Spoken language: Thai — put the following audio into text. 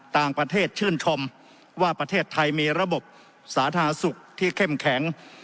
ต่างประเทศชื่นชมว่าประเทศไทยมีระบบสาธารณสุขที่เข้มแข็ง